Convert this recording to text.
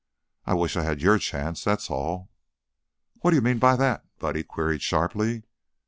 I wish I'd had your chance, that's all." "What d'you mean by that?" Buddy queried, sharply.